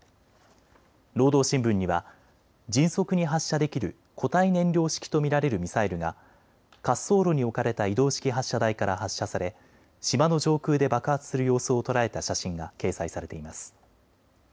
労働新聞には迅速に発射できる固体燃料式と見られるミサイルが滑走路に置かれた移動式発射台から発射され島の上空で爆発する様子を捉えた写真が掲載されています。